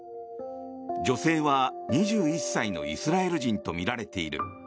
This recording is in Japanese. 女性は２１歳のイスラエル人とみられている。